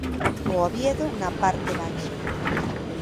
O Oviedo na parte baixa.